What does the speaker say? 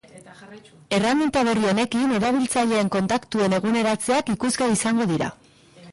Erraminta berri honekin, erabiltzaileen kontaktuen eguneratzeak ikusgai izango dira.